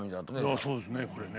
そうですねこれね。